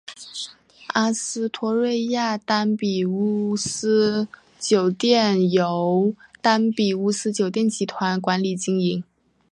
阿斯托瑞亚丹比乌斯酒店由丹比乌斯酒店集团管理经营。